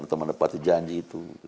atau menepati janji itu